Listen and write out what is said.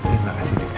terima kasih juga